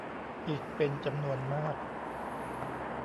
อีกเป็นจำนวนมาก